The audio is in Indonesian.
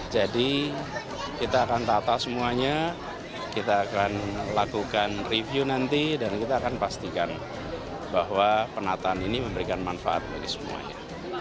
jadi kita akan tata semuanya kita akan lakukan review nanti dan kita akan pastikan bahwa penataan ini memberikan manfaat bagi semuanya